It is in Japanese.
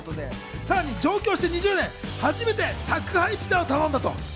さらに上京して２０年、初めて宅配ピザを頼んだと。